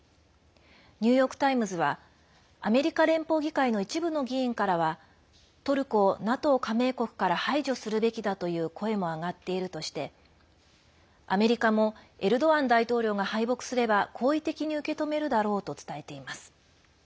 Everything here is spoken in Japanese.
ニューヨーク・タイムズはアメリカ連邦議会の一部の議員からはトルコをＮＡＴＯ加盟国から排除するべきだという声も上がっているとしてアメリカもエルドアン大統領が敗北すれば好意的に受け止めるだろうと伝えています。